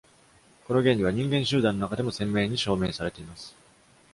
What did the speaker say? この原理は、人間集団の中でも鮮明に証明されています。